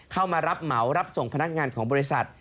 เข้ามารับเหมารับส่งพนักงานของบริษัท